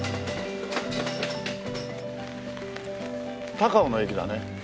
高尾の駅だね。